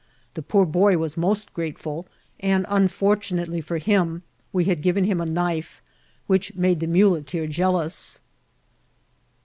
The poor boy was most grateful, and, unfortu nately for him, we had given him a knife, which made the muleteer jealous.